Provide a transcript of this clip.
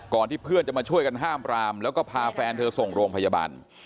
ที่เพื่อนจะมาช่วยกันห้ามปรามแล้วก็พาแฟนเธอส่งโรงพยาบาล